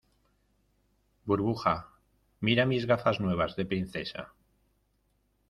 burbuja, mira mis gafas nuevas , de princesa.